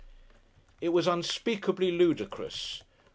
It was unspeakably ludicrous.